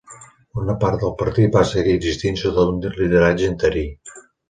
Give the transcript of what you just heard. Una part del partit va seguir existint sota un lideratge interí.